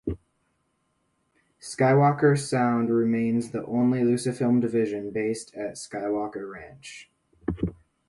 Skywalker Sound remains the only Lucasfilm division based at Skywalker Ranch.